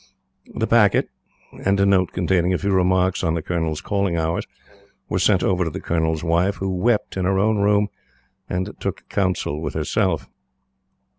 The packet, and a note containing a few remarks on the Colonel's calling hours, were sent over to the Colonel's Wife, who wept in her own room and took counsel with herself.